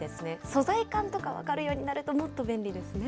素材感とか分かるようになるともっと便利ですね。